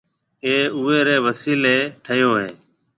اَي اُوئي رَي وسيلَي ٺهيو هيَ۔